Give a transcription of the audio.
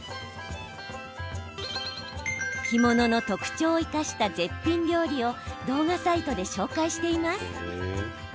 干物の特徴を生かした絶品料理を動画サイトで紹介しています。